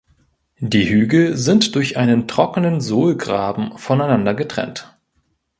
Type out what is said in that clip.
Die Hügel sind durch einen trockenen Sohlgraben voneinander getrennt.